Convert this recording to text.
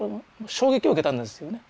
衝撃を受けたんですよね。